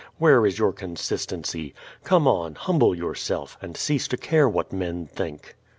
Where is your consistency? Come on, humble yourself, and cease to care what men think."